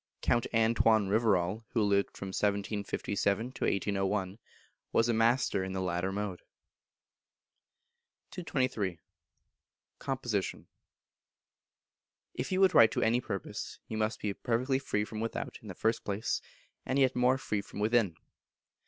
Count Antoine Rivarol, who lived from 1757 to 1801, was a master in the latter mode. 223. Composition. If you would write to any purpose, you must be perfectly free from without, in the first place, and yet more free from within.